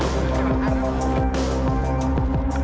จุดฝังศพสมเนติศาสตร์จังหวัดนครศรีธรรมราช